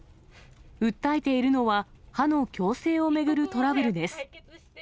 訴えているのは、歯の矯正を巡るトラブルです。